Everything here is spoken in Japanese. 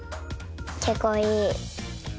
けっこういい。